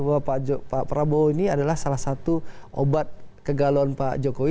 bahwa pak prabowo ini adalah salah satu obat kegalauan pak jokowi